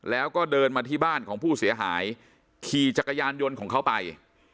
แล้วก็เดินมาที่บ้านของผู้เสียหายขี่จักรยานยนต์ของเขาไป